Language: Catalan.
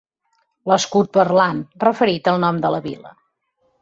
L'escut parlant, referit al nom de la vila.